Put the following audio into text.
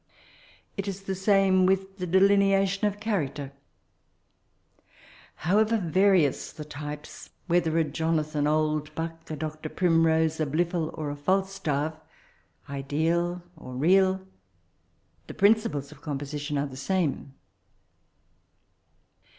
It is the same with the deli neation of character: however vari ous the types, whether a Jonathan Oldbuck, a Dr. Primrose, a Blifil, or a FalstaS — ideal, or real, the principles of composition are the same.